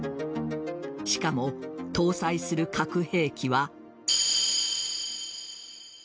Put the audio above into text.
しかも搭載する核兵器は。